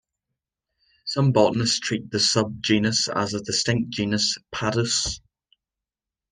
Some botanists treat the subgenus as a distinct genus "Padus".